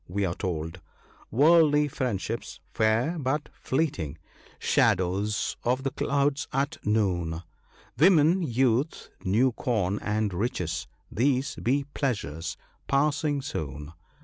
We are told —" Worldly friendships, fair but fleeting, shadows of the clouds at noon, Women ( 39 ), youth, new corn, and riches — these be pleasures passing soon."